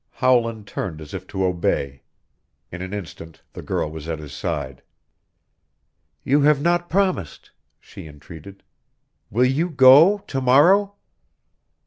Howland turned as if to obey. In an instant the girl was at his side. "You have not promised," she entreated. "Will you go to morrow?"